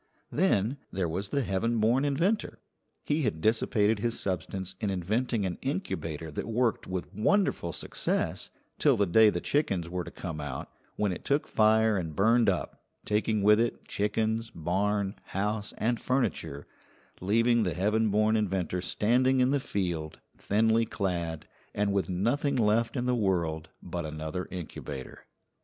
Then there was the heaven born inventor. He had dissipated his substance in inventing an incubator that worked with wonderful success till the day the chickens were to come out, when it took fire and burned up, taking with it chickens, barn, house, and furniture, leaving the heaven born inventor standing in the field, thinly clad, and with nothing left in the world but another incubator.